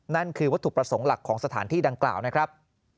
นั่นคือวัตถุประสงค์หลักของสถานที่ดังกล่าวนะครับ